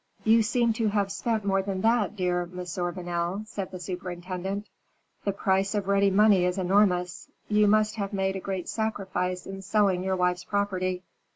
"You seem to have spent more than that, dear Monsieur Vanel," said the superintendent. "The price of ready money is enormous. You must have made a great sacrifice in selling your wife's property.